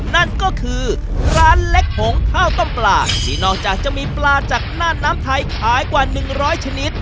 นั่นก็คือร้านเล็กผงข้าวต้มปลาที่นอกจากจะมีปลาจากน่านน้ำไทยขายกว่า๑๐๐ชนิด